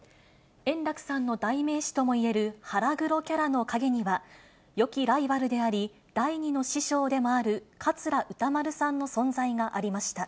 円楽さんの代名詞ともいえる腹黒キャラの陰には、よきライバルであり、第２の師匠でもある桂歌丸さんの存在がありました。